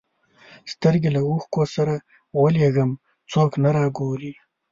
سترګي له اوښکو سره ولېږم څوک نه را ګوري